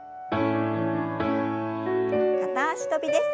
片脚跳びです。